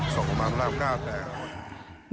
ส่งโรงพยาบาลพนาคม๙แปลง